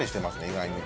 意外に。